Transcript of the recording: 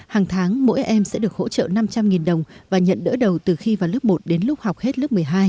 hàng tháng mỗi em sẽ được hỗ trợ năm trăm linh đồng và nhận đỡ đầu từ khi vào lớp một đến lúc học hết lớp một mươi hai